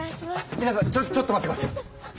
みなさんちょちょっと待ってください！